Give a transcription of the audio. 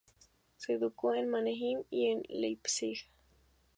Se educó en Mannheim y en Leipzig.